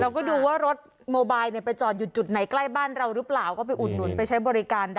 เราก็ดูว่ารถโมบัลเนี่ยไปชนอยู่จุดไหนใกล้บ้านเรารึเปล่าก็ไปอุดหลุนไปใช้บริการได้